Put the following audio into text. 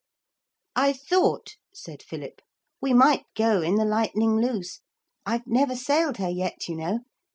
'I thought,' said Philip, 'we might go in the Lightning Loose. I've never sailed her yet, you know.